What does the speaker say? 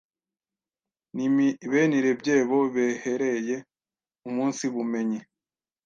n’imibenire byebo behereye umunsi bumenyi